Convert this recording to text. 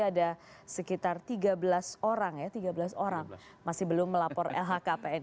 ada sekitar tiga belas orang ya tiga belas orang masih belum melapor lhkpn